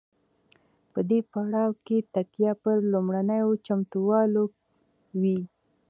په دې پړاو کې تکیه پر لومړنیو چمتووالو وي.